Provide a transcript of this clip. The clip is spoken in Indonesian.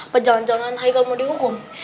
pejalan jalan haikal mau dihukum